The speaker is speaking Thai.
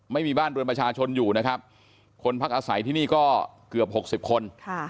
ไม่มีบ้านเรือนประชาชนอยู่นะครับคนพักอาศัยที่นี่ก็เกือบ๖๐คน